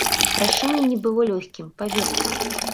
Рашэнне не было лёгкім, паверце.